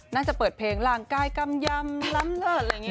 น่าจะเปิดเพลงลางกายกำย่ำร้ำเริ่มอะไรแบบนี้